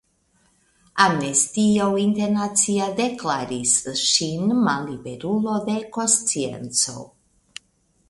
Amnestio Internacia deklaris ŝin malliberulo de konscienco.